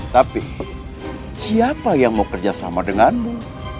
tapi siapa yang mau kerjasama denganmu